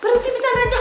berhenti bencana udah